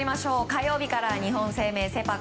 火曜日から日本生命セ・パ